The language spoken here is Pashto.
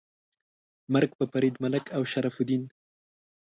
مرګ په فرید ملک او شرف الدین. 🤨